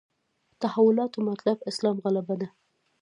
تحولاتو مطلب اسلام غلبه ده.